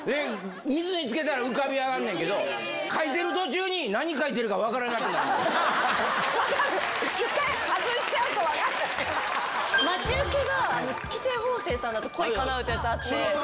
水につけたら浮かび上がるんだけど、書いてる途中に、何書いてる分かる、待ち受けが、月亭方正さんだと恋かなうってやつあって。